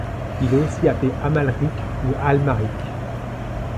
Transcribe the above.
Il est aussi appelé Amalric ou Almaric.